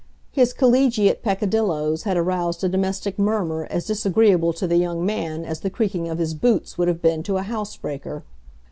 His collegiate peccadilloes had aroused a domestic murmur as disagreeable to the young man as the creaking of his boots would have been to a house breaker.